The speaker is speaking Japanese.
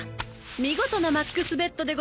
見事なマックスベットでございます。